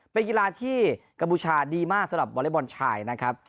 เป็นกีฬาที่กัมพูชาดีมากสำหรับวอเล็กบอลชายนะครับ